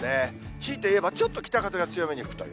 しいていえばちょっと北風が強めに吹くという。